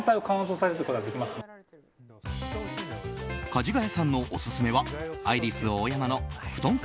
かじがやさんのオススメはアイリスオーヤマのふとん